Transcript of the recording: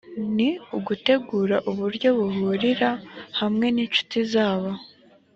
ni ugutegura uburyo bahurira hamwe n incuti zabo